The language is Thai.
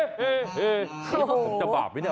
โอ้โหจะบาปไหมเนี่ย